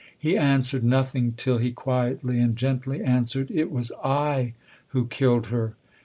He answered nothing till he quietly and gently answered :" It was / who killed her."